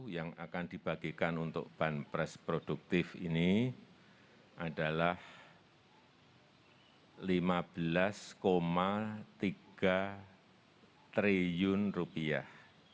dua ribu dua puluh satu yang akan dibagikan untuk ban pres produktif ini adalah lima belas tiga triliun rupiah